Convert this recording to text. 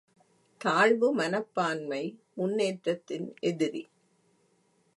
தாழ்வு மனப்பான்மை முன்னேற்றத்தின் எதிரி.